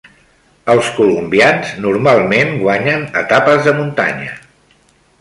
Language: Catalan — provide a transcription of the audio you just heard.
Els colombians normalment guanyen etapes de muntanya.